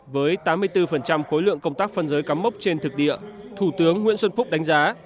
với tám mươi bốn khối lượng công tác phân giới cắm mốc trên thực địa thủ tướng nguyễn xuân phúc đánh giá